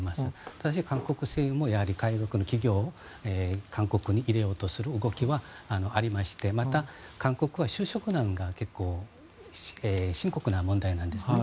ただし、韓国政府も外国の企業を韓国に入れようとする動きはありましてまた、韓国は就職難が結構、深刻な問題なんですね。